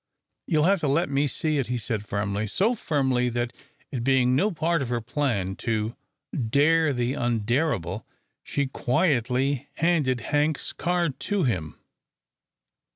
"You'll have to let me see it," he said, firmly, so firmly that it being no part of her plan to "dare the undareable," she quietly handed Hank's card to him.